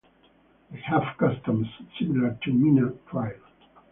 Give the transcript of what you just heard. They have customs similar to Meena tribe.